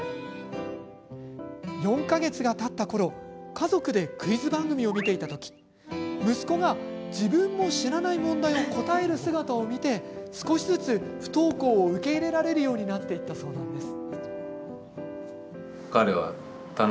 ４か月がたったころ家族でクイズ番組を見ていた時息子が自分も知らない問題を答える姿を見て、少しずつ不登校を受け入れられるようになっていったそうです。